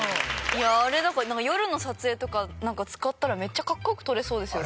あれ夜の撮影とかなんか使ったらめっちゃ格好良く撮れそうですよね。